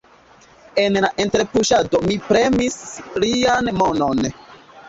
En la interpuŝado mi premis lian manon.